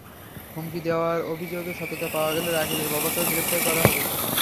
হুমকি দেওয়ার অভিযোগের সত্যতা পাওয়া গেলে রাকিবের বাবাকেও গ্রেপ্তার করা হবে।